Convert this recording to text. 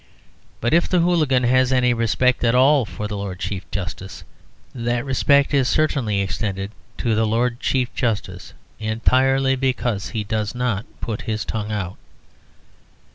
But if the hooligan has any respect at all for the Lord Chief Justice, that respect is certainly extended to the Lord Chief Justice entirely because he does not put his tongue out.